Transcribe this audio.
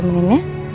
mama temenin ya